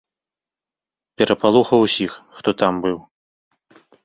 Перапалохаў усіх, хто там быў.